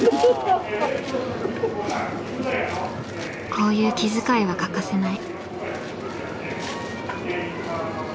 こういう気づかいは欠かせない。